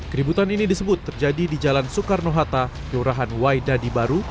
keributan ini terjadi di jalan soekarno hatta yorahan wai dadi baru